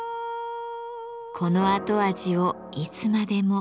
この後味をいつまでも。